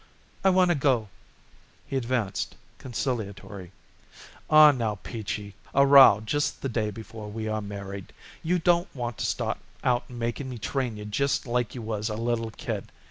"I wanna go." He advanced, conciliatory. "Aw, now, Peachy, a row just the day before we are married. You don't want to start out making me train you just like you was a little kid.